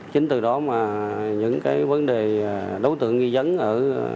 chính từ đó mà những cái vấn đề đối tượng nghi dấn ở